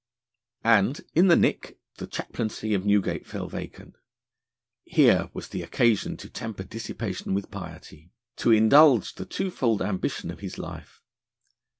And, in the nick, the chaplaincy of Newgate fell vacant. Here was the occasion to temper dissipation with piety, to indulge the twofold ambition of his life.